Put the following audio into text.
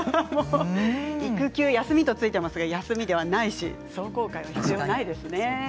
育休は休みとついていますけれども休みではないですし壮行会は必要ないですね。